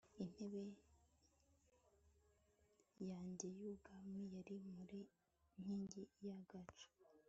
intebe yanjye y'ubwami yari mu nkingi y'agacu